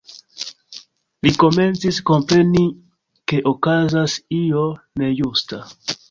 Li komencis kompreni, ke okazas io nejusta.